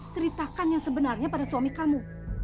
ceritakan yang sebenarnya pada suami kamu